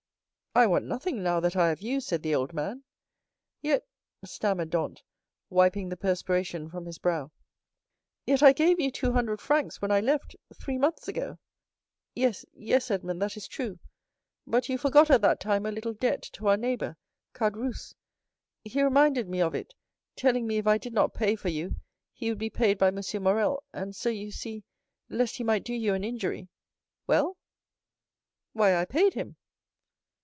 "I want nothing now that I have you," said the old man. "Yet," stammered Dantès, wiping the perspiration from his brow,—"yet I gave you two hundred francs when I left, three months ago." "Yes, yes, Edmond, that is true, but you forgot at that time a little debt to our neighbor, Caderousse. He reminded me of it, telling me if I did not pay for you, he would be paid by M. Morrel; and so, you see, lest he might do you an injury——" "Well?" "Why, I paid him."